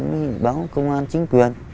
mấy báo công an chính phủ